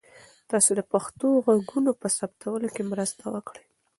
تاسو د پښتو ږغونو په ثبتولو کې مرسته وکړئ.